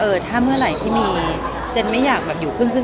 เออถ้าเมื่อไหร่ที่มีเจนไม่อยากอยู่คืนคืนกลาง